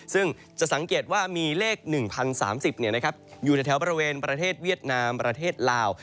ซึ่งจะสังเกตว่ามีเลข๑๐๓๐อยู่ในแถวบริเวณประเทศเวียดนามประเทศลาว